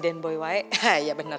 den boy wae ya bener